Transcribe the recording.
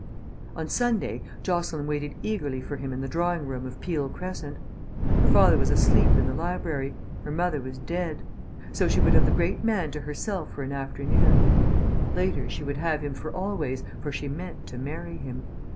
..... On Sunday Jocelyn waited eagerly for him in the drawing room of Peele Crescent. Her father was asleep in the library, her mother was dead; so she would have the great man to herself for an afternoon. Later she would have him for always, for she meant to marry him.